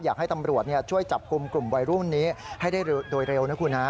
อยากให้ตำรวจช่วยจับกลุ่มกลุ่มวัยรุ่นนี้ให้ได้โดยเร็วนะคุณฮะ